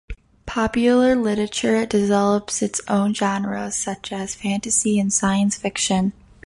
Popular literature develops its own genres such as fantasy and science fiction.